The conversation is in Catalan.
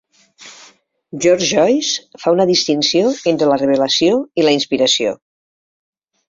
George Joyce fa una distinció entre la revelació i la inspiració.